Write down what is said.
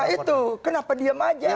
itu kenapa diam aja